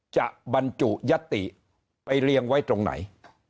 บรรจุยัตติไปเรียงไว้ตรงไหน